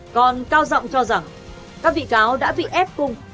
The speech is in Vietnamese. còn cao rộng cho rằng các vị cáo đã bị ép cung